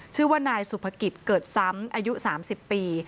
ชื่อว่านายสุภกิจเกิดซ้ำอายุ๓๐ปี